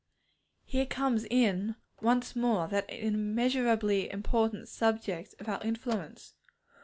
Here comes in once more that immeasurably important subject of our influence.